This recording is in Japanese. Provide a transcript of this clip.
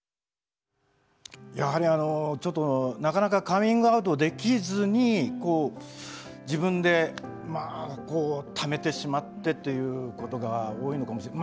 やはりあのちょっとなかなかカミングアウトできずに自分でこうためてしまってっていうことが多いのかもしれ。